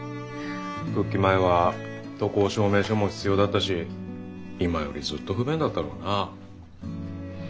復帰前は渡航証明書も必要だったし今よりずっと不便だったろうな。